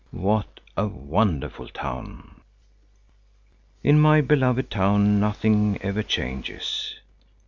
What a wonderful town!" In my beloved town nothing ever changes.